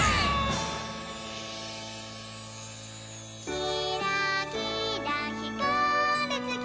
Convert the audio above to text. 「きらきらひかるつき